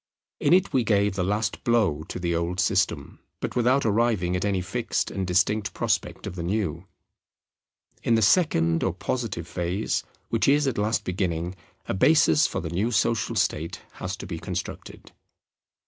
In it we gave the last blow to the old system, but without arriving at any fixed and distinct prospect of the new. In the second or positive phase, which is at last beginning, a basis for the new social state has to be constructed.